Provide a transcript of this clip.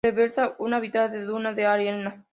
Preserva un hábitat de dunas de arena.